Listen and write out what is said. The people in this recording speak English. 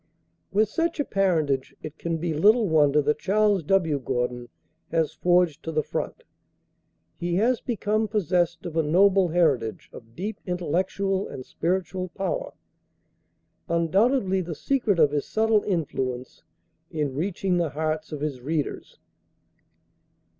With such a parentage it can be little wonder that Charles W. Gordon has forged to the front. He has become possessed of a noble heritage of deep intellectual and spiritual power—undoubtedly the secret of his subtle influence in reaching the hearts of his readers.